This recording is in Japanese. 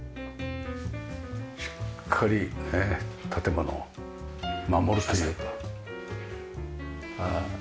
しっかりね建物を守るというか。